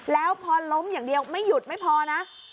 แล้วพอล้มอย่างเดียวไม่หยุดไม่พอนะ